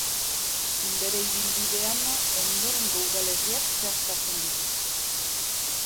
Bere ibilbidean ondorengo udalerriak zeharkatzen ditu.